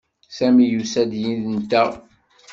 Sami yusa-d yid-nteɣ.